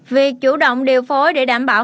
việc chủ động điều phối để đảm bảo